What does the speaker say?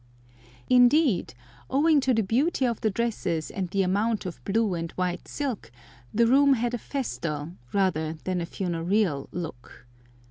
Indeed, owing to the beauty of the dresses and the amount of blue and white silk, the room had a festal rather than a funereal look.